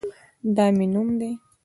دا مې نوم ده